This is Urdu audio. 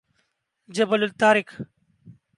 جبل الطارق